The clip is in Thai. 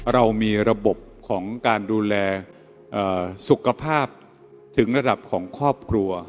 เรามีระบบของการดูแลสุขภาพถึงระดับของครอบครัว